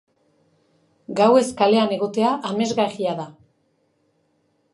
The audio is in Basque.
Gauez kalean egotea amesgarria da.